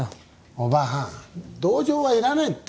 おばはん同情はいらないって。